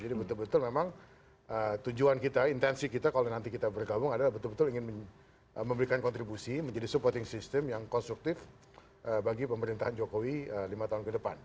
jadi betul betul memang tujuan kita intensi kita kalau nanti kita bergabung adalah betul betul ingin memberikan kontribusi menjadi supporting system yang konstruktif bagi pemerintahan jokowi lima tahun ke depan